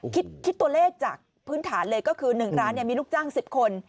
คิดตัวเลขจากพื้นฐานเลยก็คือ๑ร้านมีลูกจ้าง๑๐คน